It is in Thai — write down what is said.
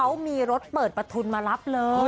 เขามีรถเปิดประทุนมารับเลย